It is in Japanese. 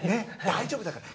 大丈夫だから。